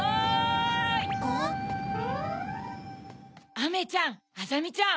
アメちゃんあざみちゃん